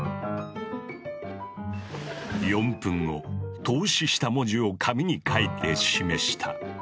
４分後透視した文字を紙に書いて示した。